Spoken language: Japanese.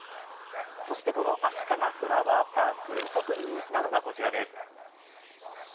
そして、このあしかがフラワーパーク、特に人気なのがこちらです。